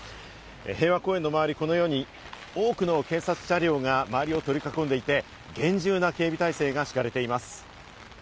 平和公園の周り、このように多くの警察車両が周りを取り囲んでいて、厳重な警備体制が敷かれています。